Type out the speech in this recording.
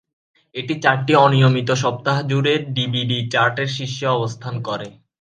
এটি চারটি অনিয়মিত সপ্তাহ জুড়ে ডিভিডি চার্টের শীর্ষে অবস্থান করে।